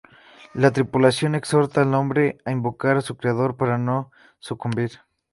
La tripulación exhorta al hombre a invocar a su creador para no sucumbir.